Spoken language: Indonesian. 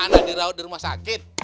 anda dirawat di rumah sakit